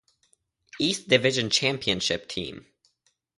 East division championship team.